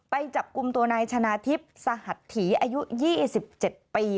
ไปจับกลุ่มตัวนายชนะทิพย์สหัตถีอายุ๒๗ปี